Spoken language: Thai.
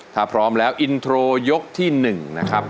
ถ้าพร้อมแล้วอินโทรยกที่๑นะครับ